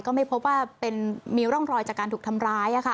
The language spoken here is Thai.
ก็ไม่พบว่ามีร่องรอยจากการถูกทำร้าย